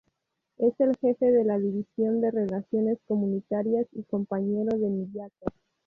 Es el jefe de la división de relaciones comunitarias y compañero de Miyako.